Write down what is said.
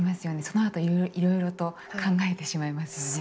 そのあといろいろと考えてしまいますよね。